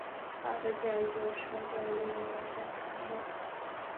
她是建筑师贝聿铭的堂妹。